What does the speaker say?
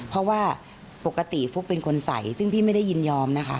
เพราะว่าปกติฟุ๊กเป็นคนใส่ซึ่งพี่ไม่ได้ยินยอมนะคะ